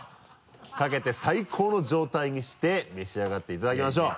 かけて最高の状態にして召し上がっていただきましょう。